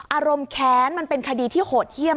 แค้นมันเป็นคดีที่โหดเยี่ยม